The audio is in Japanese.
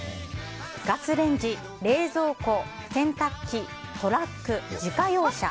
ガスレンジ、冷蔵庫洗濯機、トラック、自家用車。